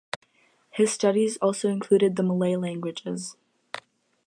His studies also included the Malay languages.